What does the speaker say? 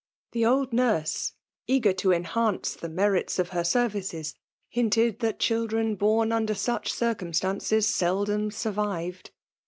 The old nurse, eager to enhance the merits of her services, hinted that children bom under such circumstances seldom survived.